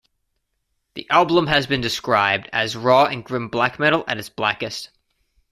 The album has been described as raw and grim black metal at its blackest.